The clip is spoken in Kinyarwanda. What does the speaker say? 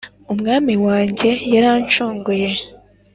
Umwami wanjye yaranshunguye